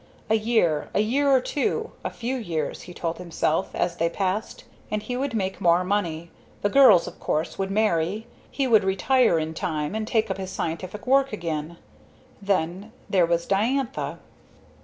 A year, a year or two, a few years, he told himself, as they passed, and he would make more money; the girls, of course, would marry; he could "retire" in time and take up his scientific work again. Then there was Diantha.